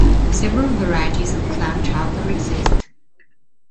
Several varieties of clam chowder exist.